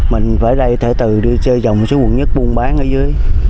mình phải đây từ từ đi chơi dòng xuống quần nhất buôn bán ở dưới